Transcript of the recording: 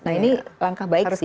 nah ini langkah baik sih